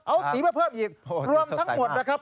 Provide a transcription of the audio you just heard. เอาสีมาเพิ่มอีกรวมทั้งหมดนะครับ